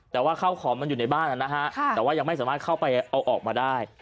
แต่ว่าข้าวของมันอยู่ในบ้านนะฮะแต่ว่ายังไม่สามารถเข้าไปเอาออกมาได้